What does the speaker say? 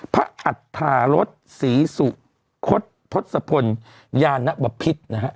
พระอัตถารถศรรษุคศพพลยานพพิษนะฮะ